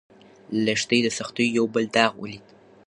لښتې د سختیو یو بل داغ ولید.